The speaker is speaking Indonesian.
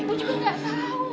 aku semu segera bu